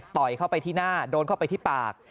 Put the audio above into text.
เข้าไปที่หน้าโดนเข้าไปที่ปาก